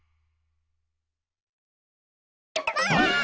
ばあっ！